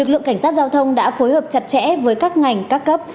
lực lượng cảnh sát giao thông đã phối hợp chặt chẽ với các ngành các cấp